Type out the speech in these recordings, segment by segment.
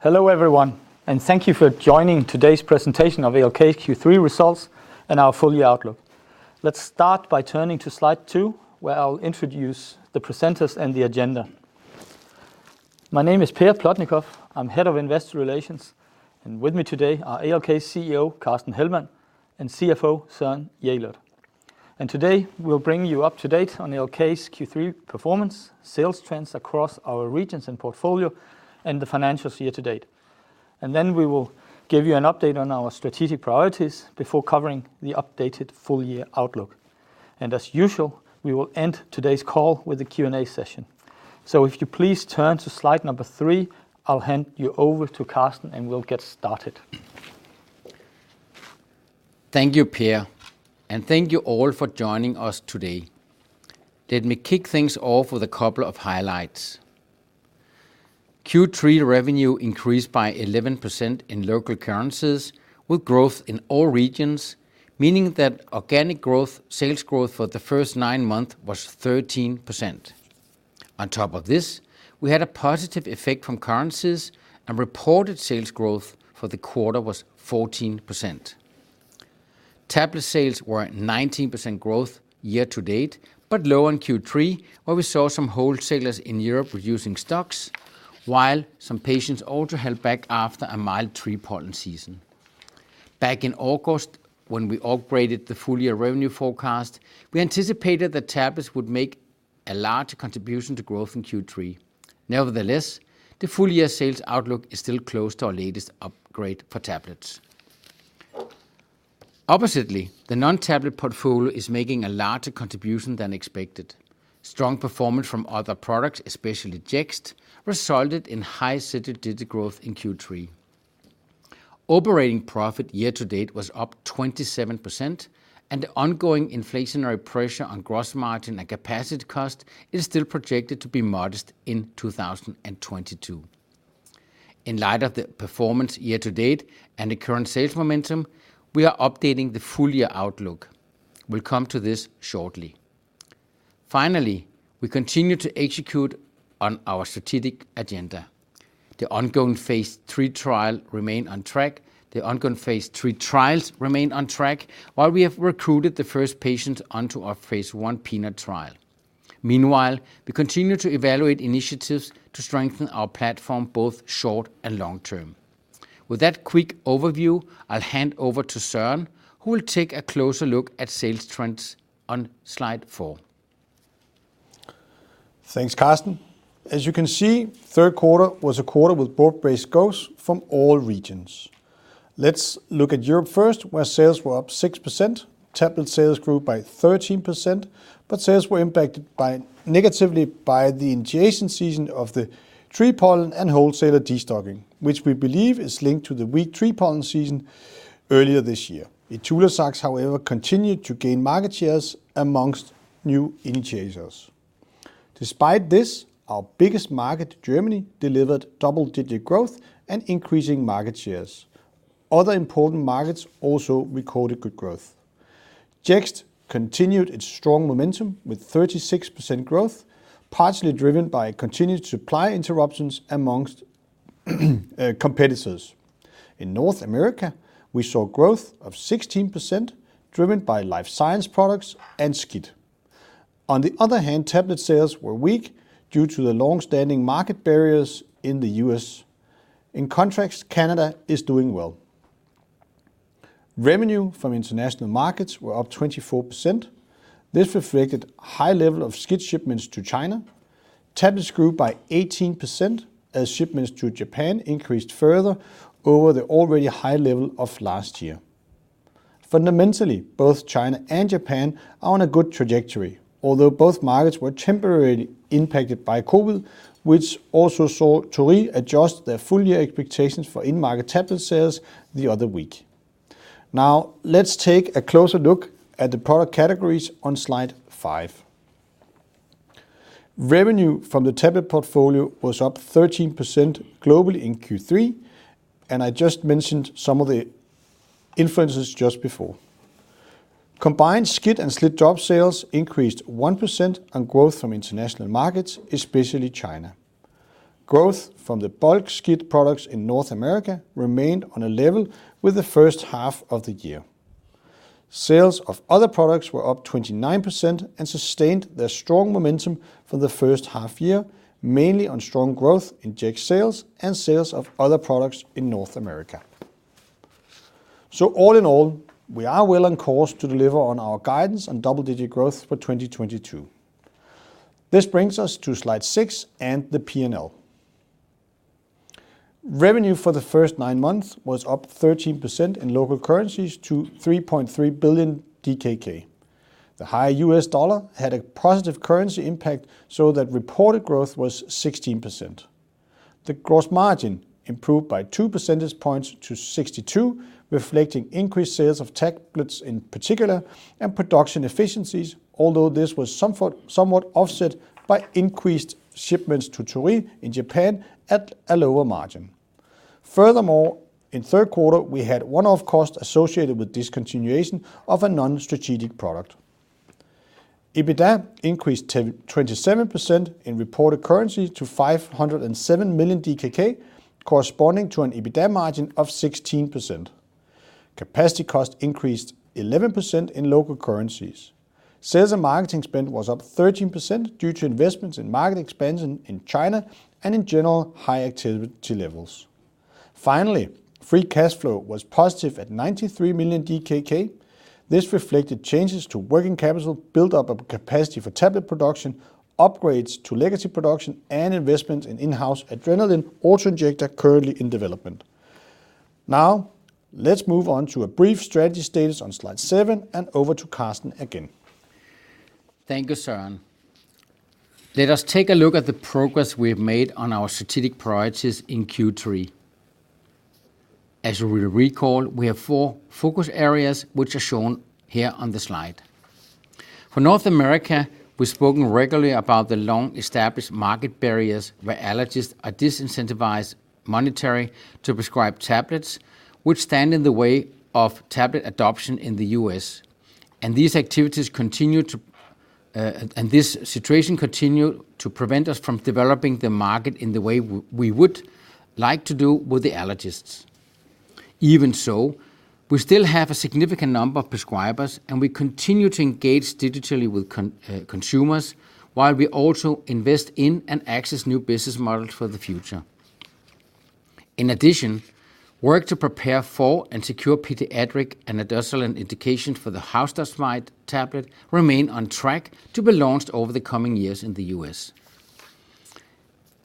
Hello everyone, and thank you for joining today's presentation of ALK Q3 results and our full year outlook. Let's start by turning to slide two, where I'll introduce the presenters and the agenda. My name is Per Plotnikof, I'm Head of Investor Relations, and with me today are ALK CEO Carsten Hellmann and CFO Søren Jelert. Today, we'll bring you up to date on ALK's Q3 performance, sales trends across our regions and portfolio, and the financials year to date. Then we will give you an update on our strategic priorities before covering the updated full year outlook. As usual, we will end today's call with a Q&A session. If you please turn to slide number four, I'll hand you over to Carsten, and we'll get started. Thank you, Per, and thank you all for joining us today. Let me kick things off with a couple of highlights. Q3 revenue increased by 11% in local currencies with growth in all regions, meaning that organic growth, sales growth for the first nine months was 13%. On top of this, we had a positive effect from currencies, and reported sales growth for the quarter was 14%. Tablet sales were at 19% growth year to date, but low on Q3, where we saw some wholesalers in Europe reducing stocks, while some patients also held back after a mild tree pollen season. Back in August, when we upgraded the full-year revenue forecast, we anticipated that tablets would make a large contribution to growth in Q3. Nevertheless, the full-year sales outlook is still close to our latest upgrade for tablets. Oppositely, the non-tablet portfolio is making a larger contribution than expected. Strong performance from other products, especially Jext, resulted in high single-digit growth in Q3. Operating profit year to date was up 27%, and the ongoing inflationary pressure on gross margin and capacity cost is still projected to be modest in 2022. In light of the performance year to date and the current sales momentum, we are updating the full year outlook. We'll come to this shortly. Finally, we continue to execute on our strategic agenda. The ongoing phase III trials remain on track, while we have recruited the first patients onto our phase I peanut trial. Meanwhile, we continue to evaluate initiatives to strengthen our platform, both short and long term. With that quick overview, I'll hand over to Søren, who will take a closer look at sales trends on slide four. Thanks, Carsten. As you can see, third quarter was a quarter with broad-based growth from all regions. Let's look at Europe first, where sales were up 6%. Tablet sales grew by 13%, but sales were impacted negatively by the initiation season of the tree pollen and wholesaler destocking, which we believe is linked to the weak tree pollen season earlier this year. ITULAZAX, however, continued to gain market shares among new initiators. Despite this, our biggest market, Germany, delivered double-digit growth and increasing market shares. Other important markets also recorded good growth. Jext continued its strong momentum with 36% growth, partially driven by continued supply interruptions among competitors. In North America, we saw growth of 16% driven by life science products and SCIT. On the other hand, tablet sales were weak due to the long-standing market barriers in the U.S. In contrast, Canada is doing well. Revenue from international markets were up 24%. This reflected high level of SCIT shipments to China. Tablets grew by 18% as shipments to Japan increased further over the already high level of last year. Fundamentally, both China and Japan are on a good trajectory, although both markets were temporarily impacted by COVID, which also saw Torii adjust their full year expectations for in-market tablet sales the other week. Now let's take a closer look at the product categories on slide five. Revenue from the tablet portfolio was up 13% globally in Q3, and I just mentioned some of the influences just before. Combined SCIT and SLIT sales increased 1% on growth from international markets, especially China. Growth from the bulk SCIT products in North America remained on a level with the first half of the year. Sales of other products were up 29% and sustained their strong momentum for the first half year, mainly on strong growth in Jext sales and sales of other products in North America. All in all, we are well on course to deliver on our guidance on double-digit growth for 2022. This brings us to slide six and the P&L. Revenue for the first nine months was up 13% in local currencies to 3.3 billion DKK. The higher US dollar had a positive currency impact so that reported growth was 16%. The gross margin improved by two percentage points to 62%, reflecting increased sales of ITULAZAX in particular and production efficiencies, although this was somewhat offset by increased shipments to Torii in Japan at a lower margin. Furthermore, in third quarter, we had one-off costs associated with discontinuation of a non-strategic product. EBITDA increased 27% in reported currencies to 507 million DKK, corresponding to an EBITDA margin of 16%. Capacity costs increased 11% in local currencies. Sales and marketing spend was up 13% due to investments in market expansion in China and in general high activity levels. Finally, free cash flow was positive at 93 million DKK. This reflected changes to working capital, build-up of capacity for tablet production, upgrades to legacy production, and investments in in-house adrenaline auto-injector currently in development. Now, let's move on to a brief strategy status on slide seven, and over to Carsten again. Thank you, Søren. Let us take a look at the progress we have made on our strategic priorities in Q3. As you will recall, we have four focus areas which are shown here on the slide. For North America, we've spoken regularly about the long-established market barriers where allergists are disincentivized monetarily to prescribe tablets, which stand in the way of tablet adoption in the U.S. This situation continues to prevent us from developing the market in the way we would like to do with the allergists. Even so, we still have a significant number of prescribers, and we continue to engage digitally with consumers, while we also invest in and access new business models for the future. In addition, work to prepare for and secure pediatric and adolescent indication for the house dust mite tablet remains on track to be launched over the coming years in the U.S.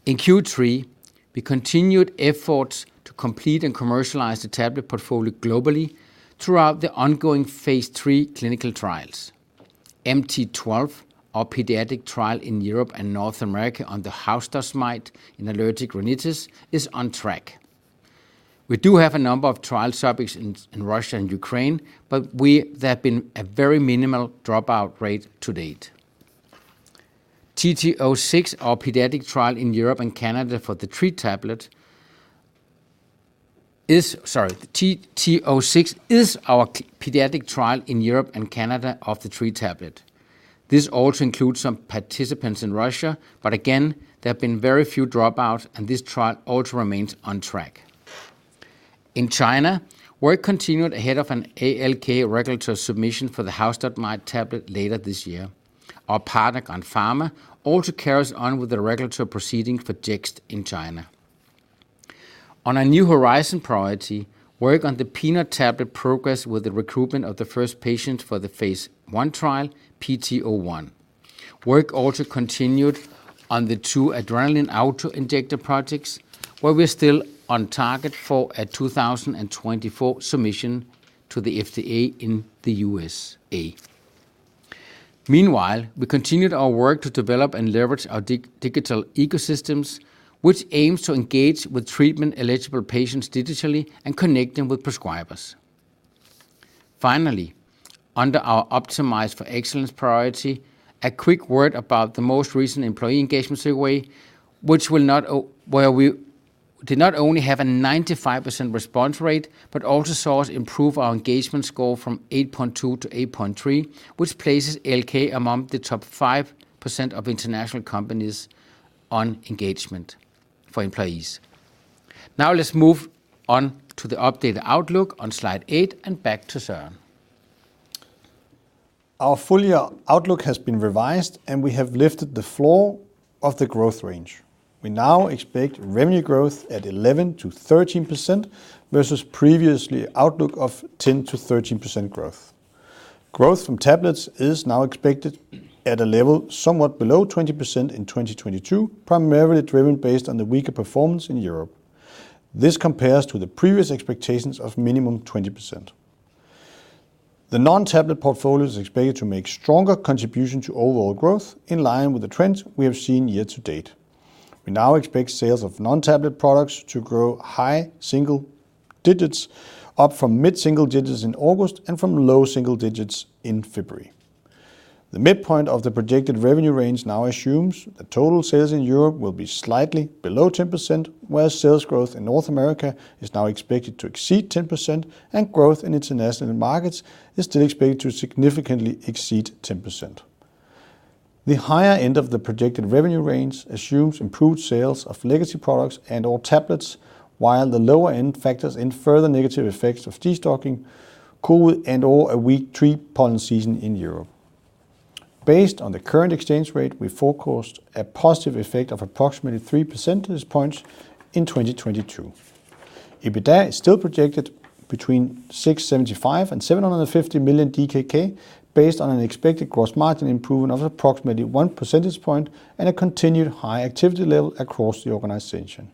In Q3, we continued efforts to complete and commercialize the tablet portfolio globally throughout the ongoing phase III clinical trials. MT-12, our pediatric trial in Europe and North America on the house dust mite in allergic rhinitis, is on track. We do have a number of trial subjects in Russia and Ukraine, but there have been a very minimal dropout rate to date. TT-06, our pediatric trial in Europe and Canada for the tree tablet, is our pediatric trial in Europe and Canada of the tree tablet. This also includes some participants in Russia, but again, there have been very few dropouts, and this trial also remains on track. In China, work continued ahead of an ALK regulatory submission for the house dust mite tablet later this year. Our pharma partner also carries on with the regulatory proceeding for Jext in China. On a new horizon priority, work on the peanut tablet progressed with the recruitment of the first patients for the phase I trial, PT-01. Work also continued on the two adrenaline auto-injector projects, where we're still on target for a 2024 submission to the FDA in the USA. Meanwhile, we continued our work to develop and leverage our digital ecosystems, which aims to engage with treatment-eligible patients digitally and connect them with prescribers. Finally, under our Optimize for Excellence priority, a quick word about the most recent employee engagement survey, where we did not only have a 95% response rate but also saw us improve our engagement score from 8.2-8.3, which places ALK among the top 5% of international companies on engagement for employees. Now let's move on to the updated outlook on slide eight, and back to Søren. Our full year outlook has been revised, and we have lifted the floor of the growth range. We now expect revenue growth at 11%-13% versus previous outlook of 10%-13% growth. Growth from tablets is now expected at a level somewhat below 20% in 2022, primarily driven, based on the weaker performance in Europe. This compares to the previous expectations of minimum 20%. The non-tablet portfolio is expected to make stronger contribution to overall growth in line with the trends we have seen year-to-date. We now expect sales of non-tablet products to grow high single digits, up from mid-single digits in August and from low single digits in February. The midpoint of the projected revenue range now assumes that total sales in Europe will be slightly below 10%, whereas sales growth in North America is now expected to exceed 10%, and growth in international markets is still expected to significantly exceed 10%. The higher end of the projected revenue range assumes improved sales of legacy products and all tablets, while the lower end factors in further negative effects of destocking, COVID, and/or a weak tree pollen season in Europe. Based on the current exchange rate, we forecast a positive effect of approximately three percentage points in 2022. EBITDA is still projected between 675 million and 750 million DKK based on an expected gross margin improvement of approximately one percentage point and a continued high activity level across the organization.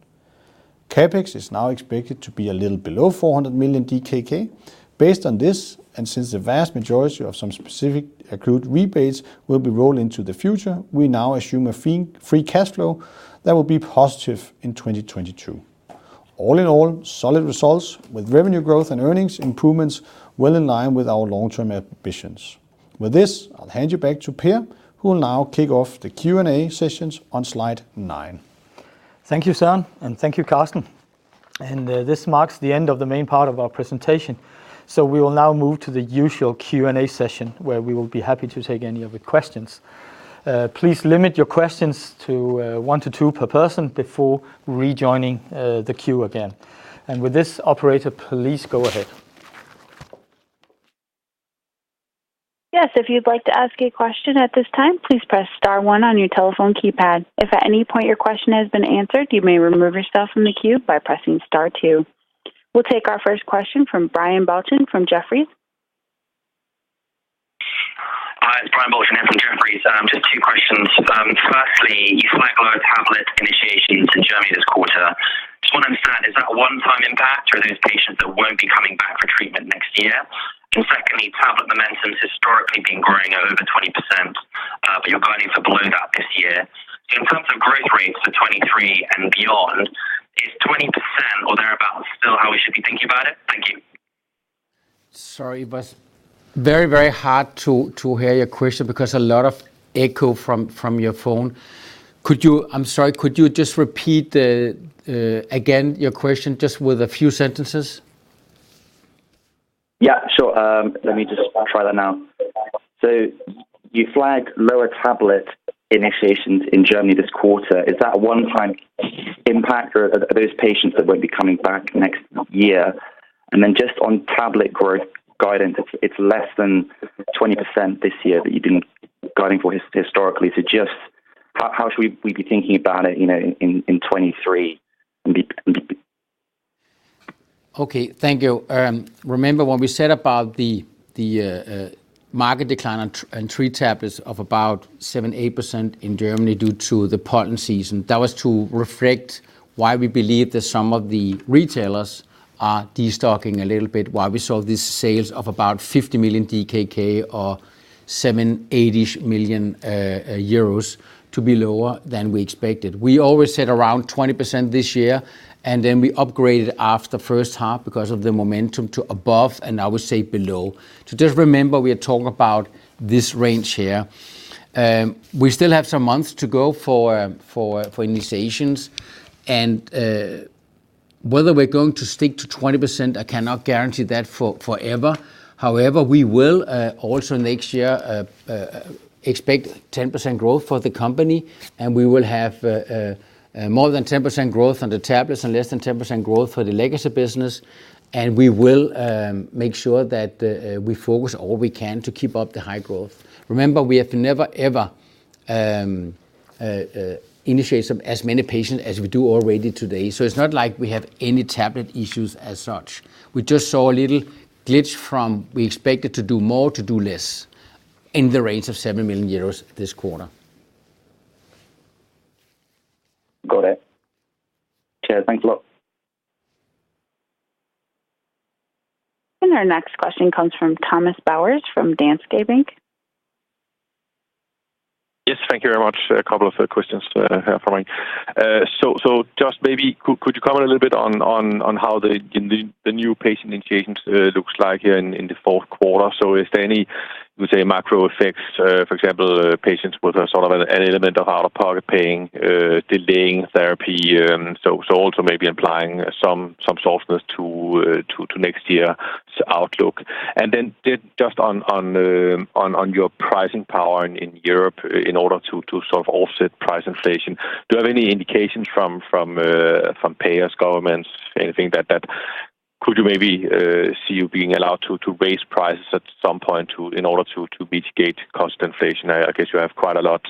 CapEx is now expected to be a little below 400 million DKK. Based on this, and since the vast majority of some specific accrued rebates will be rolled into the future, we now assume a free cash flow that will be positive in 2022. All in all, solid results with revenue growth and earnings improvements well in line with our long-term ambitions. With this, I'll hand you back to Per, who will now kick off the Q&A sessions on slide nine. Thank you, Søren, and thank you, Carsten. This marks the end of the main part of our presentation, so we will now move to the usual Q&A session where we will be happy to take any of your questions. Please limit your questions to one to two per person before rejoining the queue again. With this, operator, please go ahead. Yes. If you'd like to ask a question at this time, please press star one on your telephone keypad. If at any point your question has been answered, you may remove yourself from the queue by pressing star two. We'll take our first question from Ben Jackson from Jefferies. Hi, it's Ben Jackson from Jefferies. Just two questions. Firstly, you flagged lower tablet initiations in Germany this quarter. Just want to understand, is that a one-time impact or are those patients that won't be coming back for treatment next year? Secondly, tablet momentum's historically been growing over 20%, but you're guiding for below that this year. In terms of growth rates for 2023 and beyond, is 20% or thereabout still how we should be thinking about it? Thank you. Sorry, it was very hard to hear your question because a lot of echo from your phone. I'm sorry, could you just repeat again your question with a few sentences? Yeah, sure. Let me just try that now. You flagged lower tablet initiations in Germany this quarter. Is that a one-time impact or are those patients that won't be coming back next year? Then just on tablet growth guidance, it's less than 20% this year that you've been guiding for historically. Just how should we be thinking about it, you know, in 2023 and beyond. Okay. Thank you. Remember when we said about the market decline in tree tablet of about 7%-8% in Germany due to the pollen season. That was to reflect why we believe that some of the retailers are destocking a little bit, why we saw these sales of about 50 million DKK or 7-8 million euros to be lower than we expected. We always said around 20% this year, and then we upgraded after first half because of the momentum to above, and now we say below. Just remember, we are talking about this range here. We still have some months to go for initiations, and whether we're going to stick to 20%, I cannot guarantee that forever. However, we will also next year expect 10% growth for the company, and we will have more than 10% growth on the tablets and less than 10% growth for the legacy business, and we will make sure that we focus all we can to keep up the high growth. Remember, we have never ever initiated as many patients as we do already today. It's not like we have any tablet issues as such. We just saw a little glitch from what we expected to do more to do less in the range of 7 million euros this quarter. Got it. Cheers. Thanks a lot. Our next question comes from Thomas Bowers from Danske Bank. Yes, thank you very much. A couple of questions for me. Just maybe could you comment a little bit on how the new patient initiations looks like in the fourth quarter? Is there any, let's say, macro effects, for example, patients with a sort of an element of out-of-pocket paying delaying therapy, so also maybe implying some softness to next year's outlook? Just on your pricing power in Europe in order to sort of offset price inflation, do you have any indications from payers, governments, anything that could maybe allow you to raise prices at some point in order to mitigate cost inflation? I guess you have quite a lot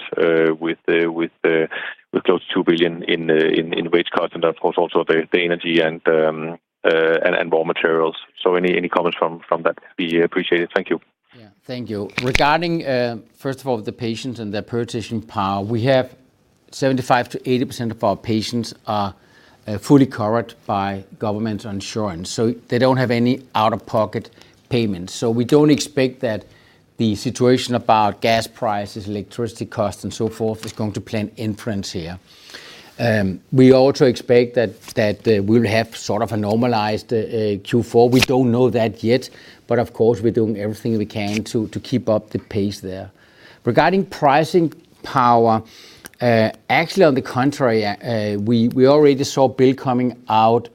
with close to 2 billion in wage costs and of course also the energy and raw materials. Any comments from that be appreciated. Thank you. Yeah. Thank you. Regarding first of all, the patients and their purchasing power, we have 75%-80% of our patients are fully covered by government insurance, so they don't have any out-of-pocket payments. We don't expect that the situation about gas prices, electricity costs, and so forth is going to play an influence here. We also expect that we'll have sort of a normalized Q4. We don't know that yet, but of course, we're doing everything we can to keep up the pace there. Regarding pricing power, actually on the contrary, we already saw a bill coming out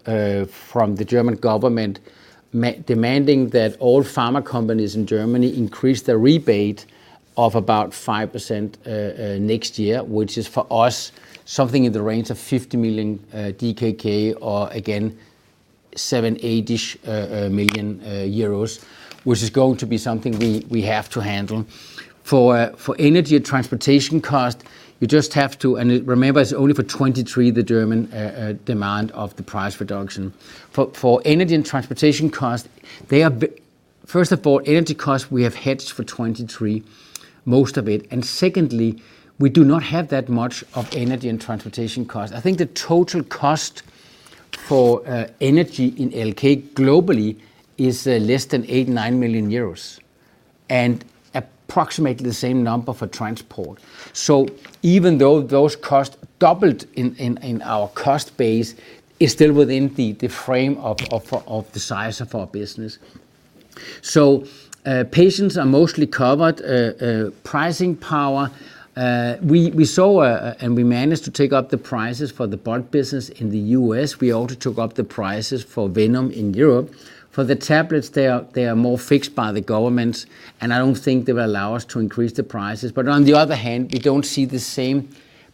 from the German government demanding that all pharma companies in Germany increase their rebate of about 5%, next year, which is for us something in the range of 50 million DKK or again 7-8-ish million euros, which is going to be something we have to handle. For energy and transportation cost, you just have to. Remember, it's only for 2023, the German demand of the price reduction. For energy and transportation cost, first of all, energy costs, we have hedged for 2023, most of it. Secondly, we do not have that much of energy and transportation cost. I think the total cost for energy in ALK globally is less than 8-9 million euros and approximately the same number for transport. Even though those costs doubled in our cost base is still within the frame of the size of our business. Patients are mostly covered. Pricing power, we saw, and we managed to take up the prices for the bulk business in the U.S. We also took up the prices for Venom in Europe. For the tablets, they are more fixed by the governments, and I don't think they will allow us to increase the prices. But on the other hand, we don't see the same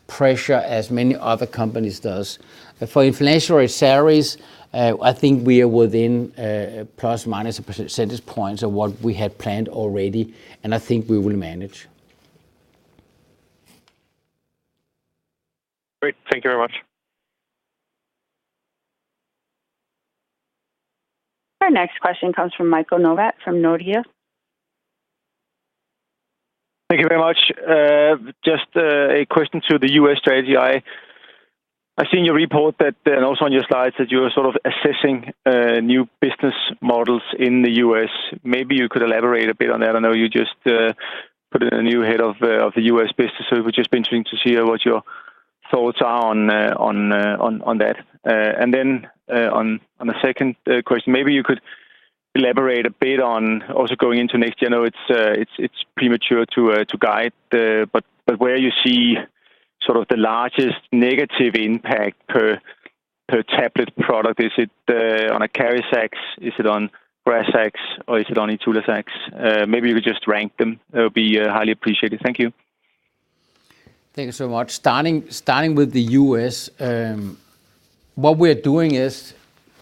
pressure as many other companies does. For inflationary salaries, I think we are within plus minus a percentage points of what we had planned already, and I think we will manage. Great. Thank you very much. Our next question comes from Michael Novod from Nordea. Thank you very much. Just a question to the U.S. strategy. I've seen your report that, and also on your slides, that you are sort of assessing new business models in the U.S. Maybe you could elaborate a bit on that. I know you just put in a new head of the U.S. business, so it would just be interesting to see what your thoughts are on that. On a second question, maybe you could elaborate a bit on also going into next year. I know it's premature to guide but where you see sort of the largest negative impact per tablet product. Is it on ACARIZAX? Is it on GRAZAX? Or is it on ITULAZAX? Maybe you could just rank them. It would be highly appreciated. Thank you. Thank you so much. Starting with the U.S., what we're doing is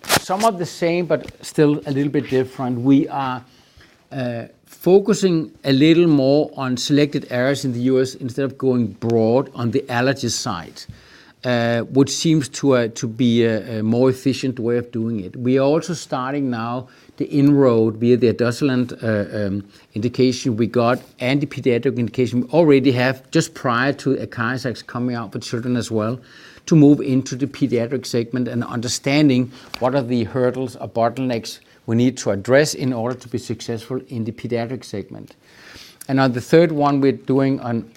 some of the same but still a little bit different. We are focusing a little more on selected areas in the U.S. instead of going broad on the allergy side, which seems to be a more efficient way of doing it. We are also starting now to inroad via the dual indication we got and the pediatric indication we already have just prior to ACARIZAX coming out for children as well to move into the pediatric segment and understanding what are the hurdles or bottlenecks we need to address in order to be successful in the pediatric segment. On the third one we're doing on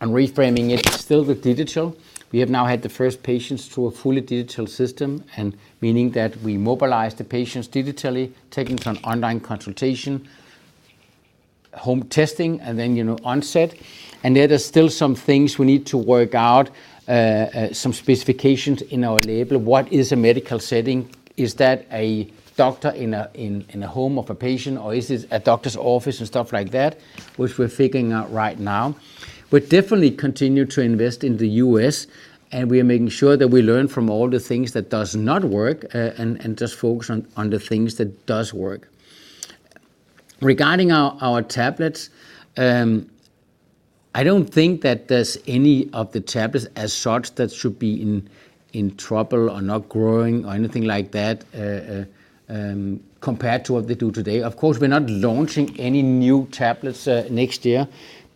reframing it still with digital. We have now had the first patients through a fully digital system, and meaning that we mobilize the patients digitally, taking some online consultation, home testing, and then, you know, onset. There are still some things we need to work out, some specifications in our label. What is a medical setting? Is that a doctor in a home of a patient, or is this a doctor's office and stuff like that? Which we're figuring out right now. We definitely continue to invest in the U.S., and we are making sure that we learn from all the things that does not work and just focus on the things that does work. Regarding our tablets, I don't think that there's any of the tablets as such that should be in trouble or not growing or anything like that, compared to what they do today. Of course, we're not launching any new tablets next year,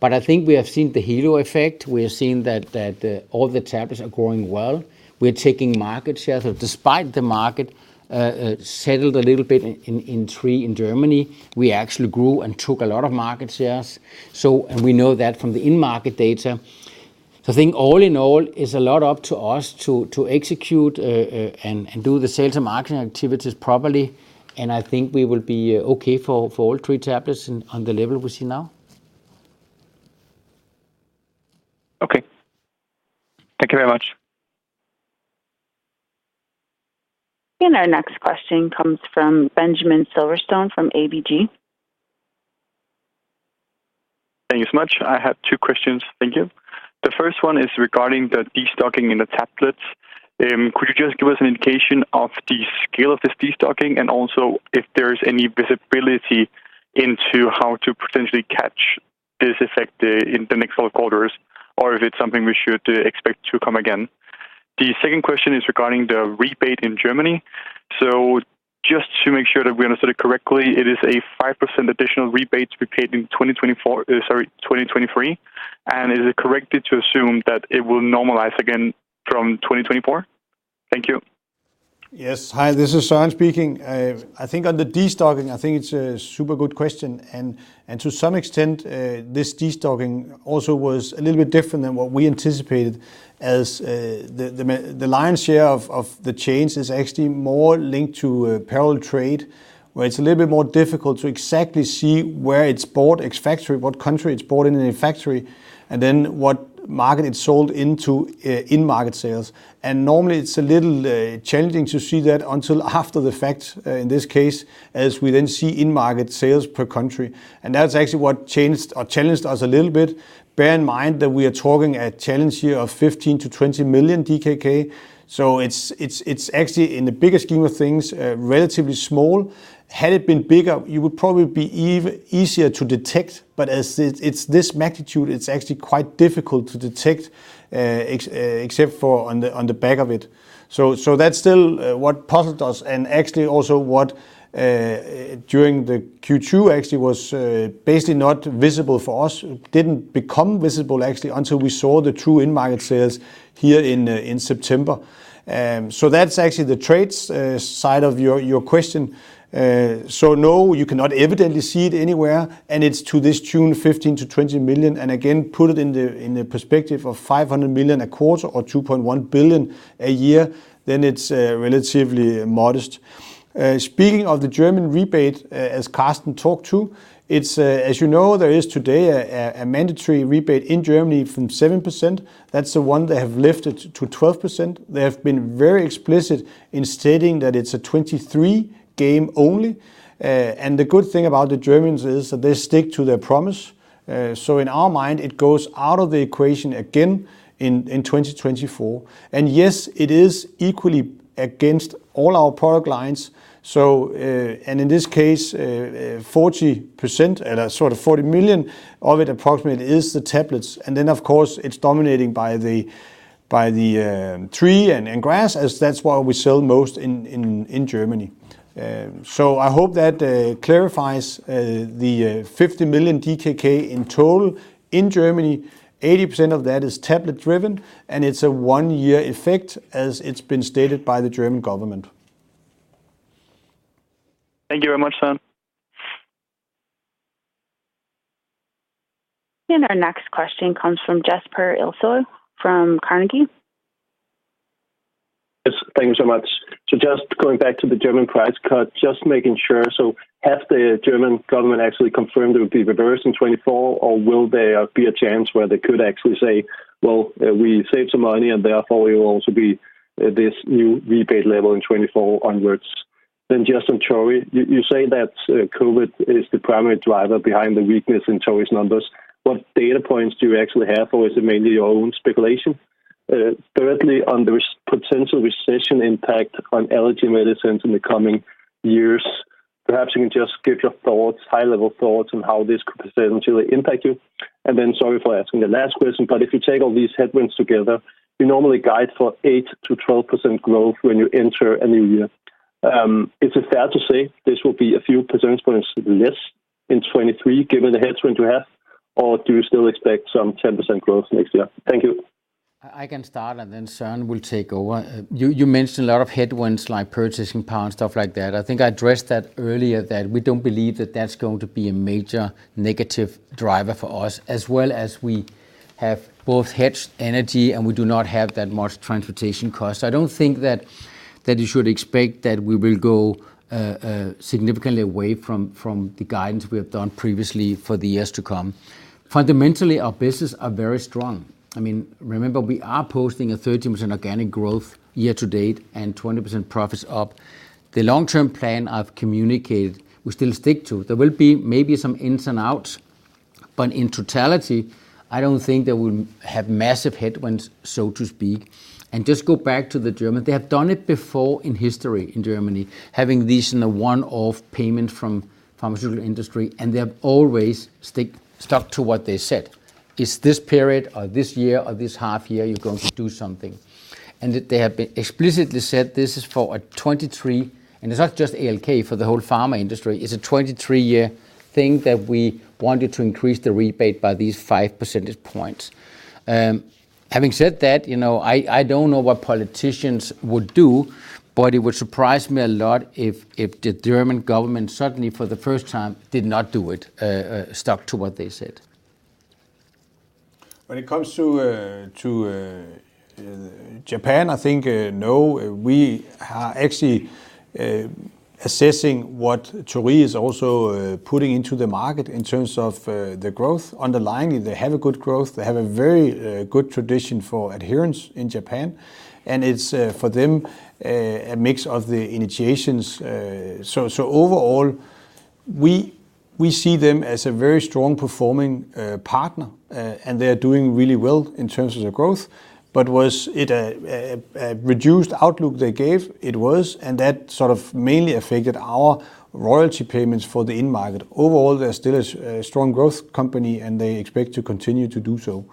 but I think we have seen the halo effect. We have seen that all the tablets are growing well. We're taking market share. Despite the market settled a little bit in Q3 in Germany, we actually grew and took a lot of market share. We know that from the in-market data. I think all in all, it's a lot up to us to execute, and do the sales and marketing activities properly, and I think we will be okay for all three tablets on the level we see now. Okay. Thank you very much. Our next question comes from Benjamin Silverstone from ABG. Thank you so much. I have two questions. Thank you. The first one is regarding the destocking in the tablets. Could you just give us an indication of the scale of this destocking and also if there is any visibility into how to potentially catch this effect, in the next quarters or if it's something we should expect to come again? The second question is regarding the rebate in Germany. Just to make sure that we understood it correctly, it is a 5% additional rebate to be paid in 2024, 2023, and is it correct to assume that it will normalize again from 2024? Thank you. Yes. Hi, this is Søren speaking. I think on the destocking, I think it's a super good question, and to some extent, this destocking also was a little bit different than what we anticipated as, the lion's share of the change is actually more linked to parallel trade, where it's a little bit more difficult to exactly see where it's bought ex-factory, what country it's bought in a factory, and then what market it's sold into in-market sales. Normally it's a little challenging to see that until after the fact, in this case, as we then see in-market sales per country, and that's actually what changed or challenged us a little bit. Bear in mind that we are talking a challenge here of 15 million-20 million DKK. It's actually in the bigger scheme of things relatively small. Had it been bigger, it would probably be easier to detect, but as it's this magnitude, it's actually quite difficult to detect except for on the back of it. That's still what puzzled us and actually also what during the Q2 actually was basically not visible for us. Didn't become visible actually until we saw the true in-market sales here in September. That's actually the trade side of your question. No, you cannot evidently see it anywhere, and it's to this tune, 15-20 million, and again, put it in the perspective of 500 million a quarter or 2.1 billion a year, then it's relatively modest. Speaking of the German rebate, as Carsten talked about, as you know, there is today a mandatory rebate in Germany from 7%. That's the one they have lifted to 12%. They have been very explicit in stating that it's a 2023 one only. The good thing about the Germans is that they stick to their promise. In our mind, it goes out of the equation again in 2024. Yes, it is equally against all our product lines. In this case, 40% at a sort of 40 million of it approximately is the tablets. Of course, it's dominating by the tree and grass as that's why we sell most in Germany. I hope that clarifies the 50 million DKK in total in Germany. 80% of that is tablet driven, and it's a one-year effect as it's been stated by the German government. Thank you very much, Søren. Our next question comes from Jesper Ilsøe from Carnegie. Yes. Thank you so much. Just going back to the German price cut, just making sure. Has the German government actually confirmed it would be reversed in 2024, or will there be a chance where they could actually say, "Well, we saved some money and therefore it will also be this new rebate level in 2024 onwards"? Just on Torii, you say that COVID is the primary driver behind the weakness in Torii's numbers. What data points do you actually have, or is it mainly your own speculation? Thirdly, on the potential recession impact on allergy medicines in the coming years, perhaps you can just give your thoughts, high-level thoughts on how this could potentially impact you. Sorry for asking the last question, but if you take all these headwinds together, you normally guide for 8%-12% growth when you enter a new year. Is it fair to say this will be a few percentage points less in 2023 given the headwind you have, or do you still expect some 10% growth next year? Thank you. I can start, and then Søren will take over. You mentioned a lot of headwinds like purchasing power and stuff like that. I think I addressed that earlier that we don't believe that that's going to be a major negative driver for us, as well as we have both hedged energy and we do not have that much transportation costs. I don't think that you should expect that we will go significantly away from the guidance we have done previously for the years to come. Fundamentally, our business are very strong. I mean, remember, we are posting a 13% organic growth year to date and 20% profits up. The long-term plan I've communicated, we still stick to. There will be maybe some ins and outs, but in totality, I don't think they will have massive headwinds, so to speak. Just go back to the German. They have done it before in history in Germany, having these in a one-off payment from pharmaceutical industry, and they have always stuck to what they said. It's this period or this year or this half year you're going to do something. They have explicitly said this is for a 2023. It's not just ALK, for the whole pharma industry. It's a 2023 year thing that we wanted to increase the rebate by these 5 percentage points. Having said that, you know, I don't know what politicians would do, but it would surprise me a lot if the German government suddenly for the first time did not do it, stuck to what they said. When it comes to Japan, I think no, we are actually assessing what Torii is also putting into the market in terms of the growth underlying. They have a good growth. They have a very good tradition for adherence in Japan. It's for them a mix of the initiations. Overall, we see them as a very strong performing partner. They are doing really well in terms of the growth. Was it a reduced outlook they gave? It was, and that sort of mainly affected our royalty payments for the end market. Overall, they're still a strong growth company, and they expect to continue to do so.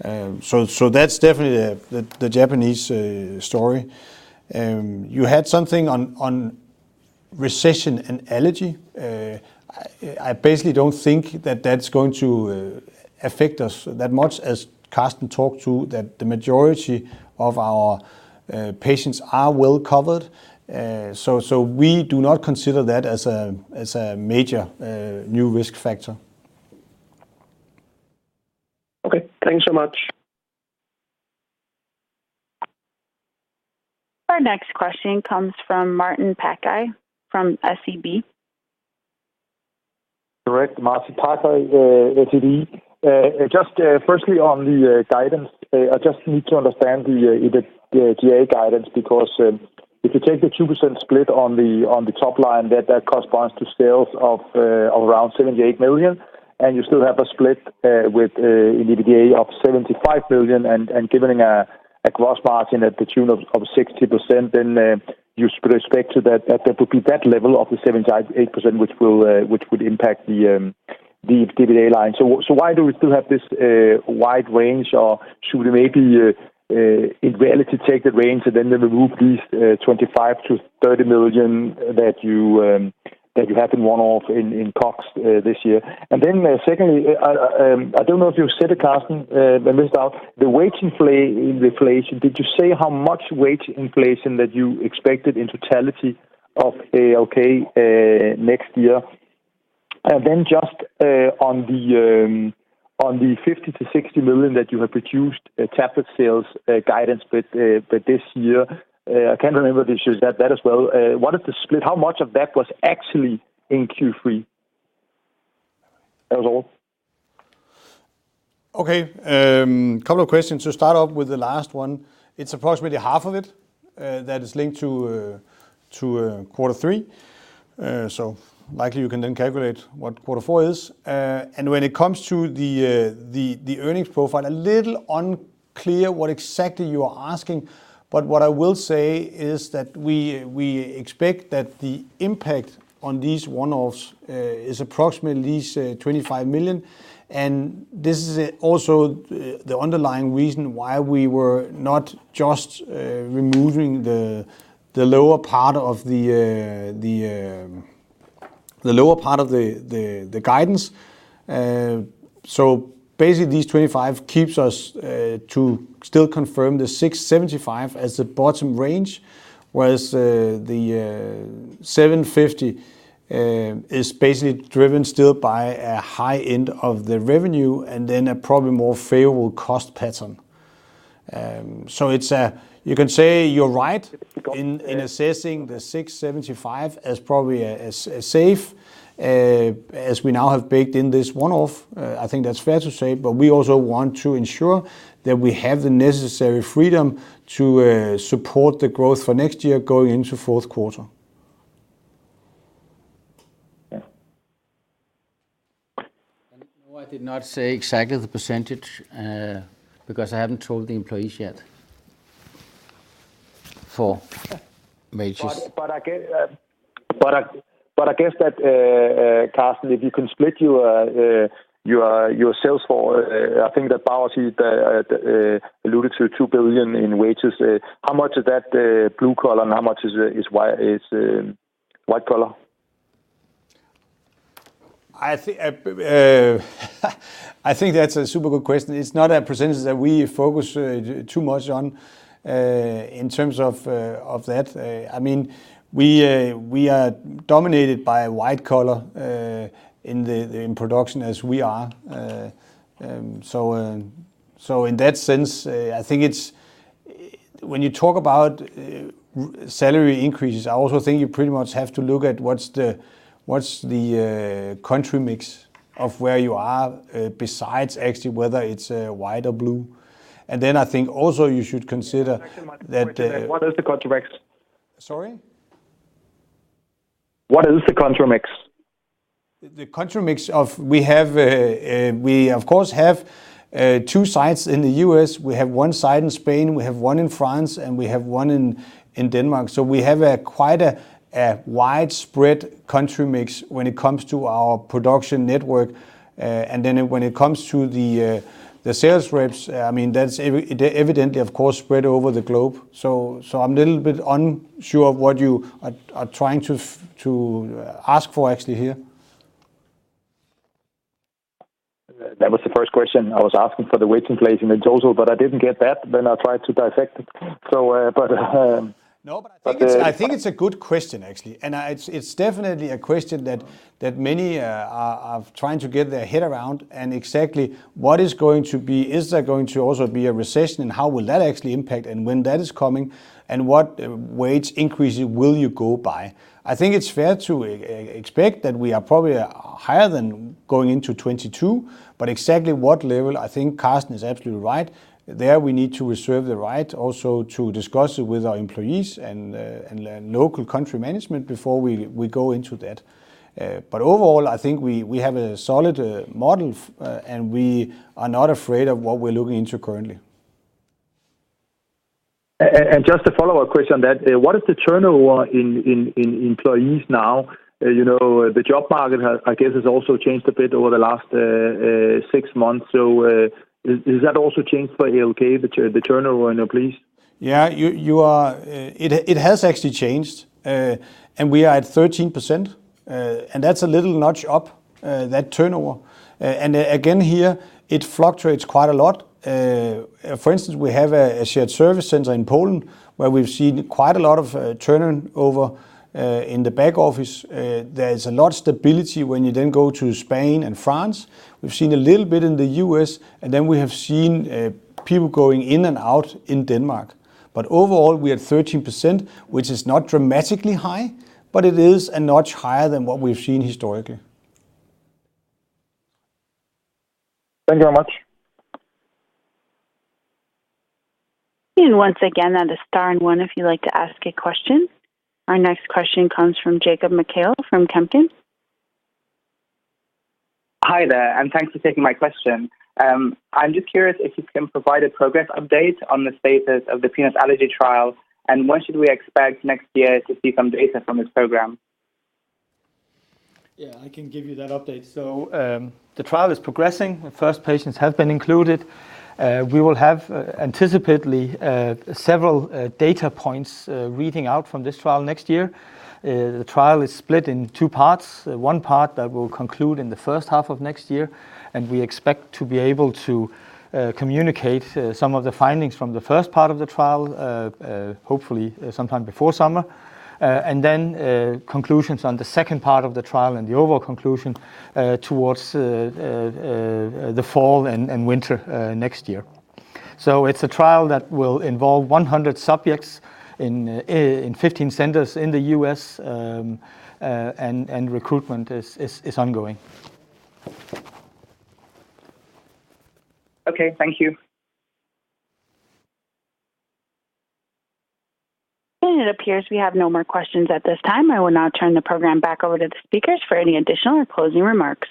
That's definitely the Japanese story. You had something on recession and allergy. I basically don't think that that's going to affect us that much as Carsten talked through that the majority of our patients are well covered. We do not consider that as a major new risk factor. Okay. Thanks so much. Our next question comes from Martin Parkhøi from SEB. Correct. Martin Parkhøi, SEB. Just firstly on the guidance, I just need to understand the guidance because if you take the 2% split on the top line that corresponds to sales of around 78 million, and you still have a split with an EBITDA of 75 million and giving a gross margin to the tune of 60%, then you should expect that would be that level of the 78% which would impact the EBITDA line. Why do we still have this wide range, or should we maybe in reality take the range and then remove these 25 million-30 million that you have in one-off costs this year? Secondly, I don't know if you said it, Carsten, but missed out the wage inflation, did you say how much wage inflation that you expected in totality of ALK next year? Just on the 50-60 million that you have reduced tablet sales guidance with for this year, I can't remember the issue. Is that as well? Wanted to split how much of that was actually in Q3. That was all. Okay. Couple of questions. To start off with the last one, it's approximately half of it that is linked to quarter three. So likely you can then calculate what quarter four is. When it comes to the earnings profile, a little unclear what exactly you are asking, but what I will say is that we expect that the impact on these one-offs is approximately at least 25 million, and this is also the underlying reason why we were not just removing the lower part of the guidance. Basically, these 25 keeps us to still confirm the 675 as the bottom range, whereas the 750 is basically driven still by a high end of the revenue and then a probably more favorable cost pattern. It's you can say you're right in assessing the 675 as probably as safe as we now have baked in this one-off. I think that's fair to say, but we also want to ensure that we have the necessary freedom to support the growth for next year going into fourth quarter. Yeah. No, I did not say exactly the percentage, because I haven't told the employees yet for wages. I guess that, Carsten, if you can split your sales for, I think that Søren Jelert, he alluded to 2 billion in wages. How much of that is blue collar and how much is white collar? I think that's a super good question. It's not a percentage that we focus too much on in terms of that. I mean, we are dominated by white collar in production as we are, so in that sense, I think it's. When you talk about salary increases, I also think you pretty much have to look at what's the country mix of where you are besides actually whether it's white or blue. Then I think also you should consider that. What is the country mix? Sorry? What is the country mix? The country mix of. We of course have two sites in the U.S. We have one site in Spain, we have one in France, and we have one in Denmark. We have a quite widespread country mix when it comes to our production network. When it comes to the sales reps, I mean, that's evidently of course spread over the globe. I'm a little bit unsure of what you are trying to ask for actually here. That was the first question. I was asking for the wage inflation in total, but I didn't get that, then I tried to dissect it. No, I think it's a good question actually. It's definitely a question that many are trying to get their head around and exactly what is going to be. Is there going to also be a recession, and how will that actually impact, and when that is coming, and what wage increases will you go by? I think it's fair to expect that we are probably higher than going into 2022, but exactly what level, I think Carsten is absolutely right. There we need to reserve the right also to discuss it with our employees and local country management before we go into that. Overall, I think we have a solid model and we are not afraid of what we're looking into currently. Just a follow-up question on that. What is the turnover in employees now? You know, the job market has, I guess, also changed a bit over the last six months. Has that also changed for ALK, the turnover in employees? Yeah. It has actually changed, and we are at 13%, and that's a little notch up, that turnover. And again, here, it fluctuates quite a lot. For instance, we have a shared service center in Poland where we've seen quite a lot of turnover in the back office. There's a lot of stability when you then go to Spain and France. We've seen a little bit in the U.S., and then we have seen people going in and out in Denmark. Overall, we are at 13%, which is not dramatically high, but it is a notch higher than what we've seen historically. Thank you very much. Once again, that is star and one if you'd like to ask a question. Our next question comes from Jacob Michael from Kempen. Hi there, and thanks for taking my question. I'm just curious if you can provide a progress update on the status of the peanut allergy trial, and when should we expect next year to see some data from this program? Yeah, I can give you that update. The trial is progressing. The first patients have been included. We will have anticipatedly several data points reading out from this trial next year. The trial is split in two parts. One part that will conclude in the first half of next year, and we expect to be able to communicate some of the findings from the first part of the trial, hopefully, sometime before summer. Conclusions on the second part of the trial and the overall conclusion towards the fall and winter next year. It's a trial that will involve 100 subjects in 15 centers in the U.S., and recruitment is ongoing. Okay. Thank you. It appears we have no more questions at this time. I will now turn the program back over to the speakers for any additional or closing remarks.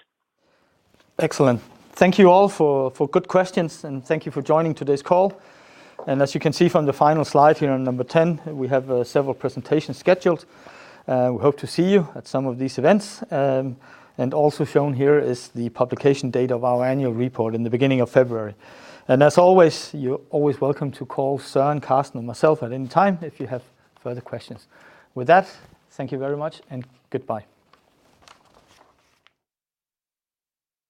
Excellent. Thank you all for good questions, and thank you for joining today's call. As you can see from the final slide here on number ten, we have several presentations scheduled. We hope to see you at some of these events. Also shown here is the publication date of our annual report in the beginning of February. As always, you're always welcome to call Søren, Carsten, or myself at any time if you have further questions. With that, thank you very much and goodbye.